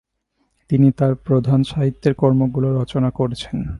তিনি তার প্রধান সাহিত্য কর্মগুলো রচনা করেছেন।